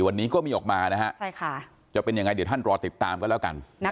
วันนี้ก็มีออกมานะฮะจะเป็นยังไงเดี๋ยวท่านรอติดตามกันแล้วกัน